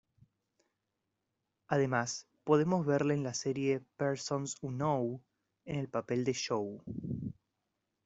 Además podemos verle en la serie "Persons Unknown", en el papel de Joe.